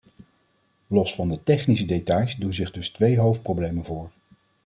Los van de technische details doen zich dus twee hoofdproblemen voor.